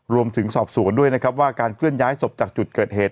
รวมถึงสอบสวนด้วยนะครับว่าการเคลื่อนย้ายศพจากจุดเกิดเหตุ